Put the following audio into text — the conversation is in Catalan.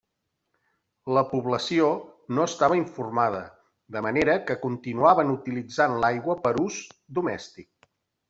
La població no estava informada, de manera que continuaven utilitzant l'aigua per a ús domèstic.